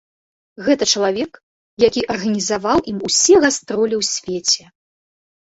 Гэта чалавек, які арганізаваў ім усе гастролі ў свеце.